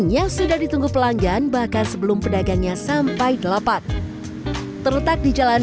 yang sudah ditunggu pelanggan bahkan sebelum pedagangnya sampai delapan terletak di jalan